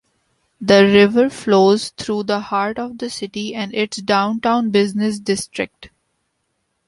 The river flows through the heart of the city and its downtown business district.